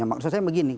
maksud saya begini